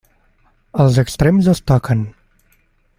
Els extrems es toquen.